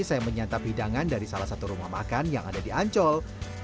saya menyantap hidangan dari salah satu rumah makan yang ada di ancol